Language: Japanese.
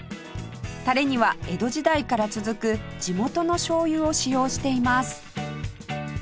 タレには江戸時代から続く地元の醤油を使用しています